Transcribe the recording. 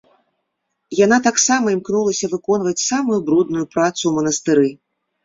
Яна таксама імкнулася выконваць самую брудную працу ў манастыры.